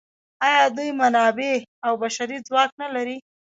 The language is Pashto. آیا دوی منابع او بشري ځواک نلري؟